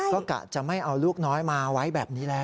ก็กะจะไม่เอาลูกน้อยมาไว้แบบนี้แล้ว